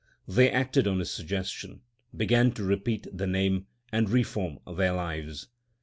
They acted on his suggestions, began to repeat the Name, and reform their lives.